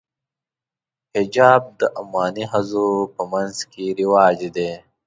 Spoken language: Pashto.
حجاب د عماني ښځو په منځ کې رواج دی.